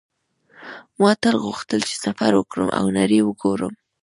ما تل غوښتل چې سفر وکړم او نړۍ وګورم